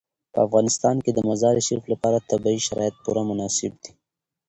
په افغانستان کې د مزارشریف لپاره طبیعي شرایط پوره مناسب دي.